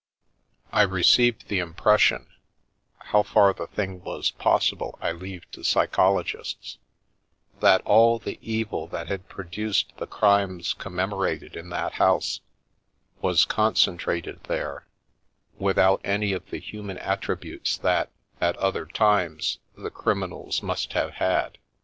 I received the impression — how far the thing was pos sible I leave to psychologists — that all the evil that had produced the crimes commemorated in that house was concentrated there, without any of the human attributes that, at other times, the criminals must have had.